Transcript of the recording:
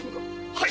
はい。